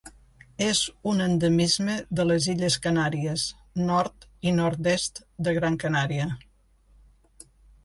És un endemisme de les Illes Canàries: nord i nord-est de Gran Canària.